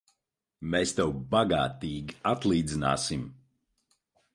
Mēs tev bagātīgi atlīdzināsim!